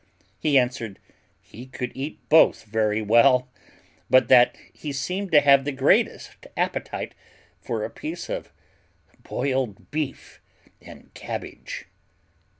He answered, "He could eat both very well; but that he seemed to have the greatest appetite for a piece of boiled beef and cabbage."